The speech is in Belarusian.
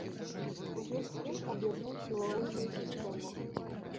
Увесь свет аб'яднаўся ў агульную сістэму.